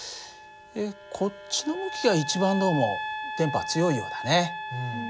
こっちの向きが一番どうも電波は強いようだね。